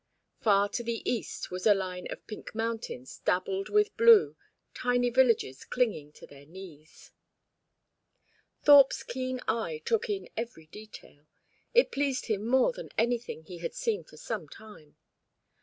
Far to the east was a line of pink mountains dabbled with blue, tiny villages clinging to their knees. Thorpe's keen eye took in every detail. It pleased him more than anything he had seen for some time.